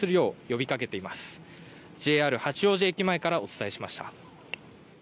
八王子駅前からお伝えしました。